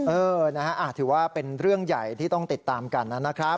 เออนะฮะถือว่าเป็นเรื่องใหญ่ที่ต้องติดตามกันนะครับ